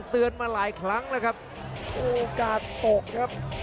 เตือนมาหลายครั้งแล้วครับโอกาสตกครับ